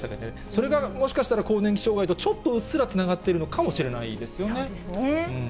それがもしかしたら更年期障害とちょっとうっすらつながっているそうですね。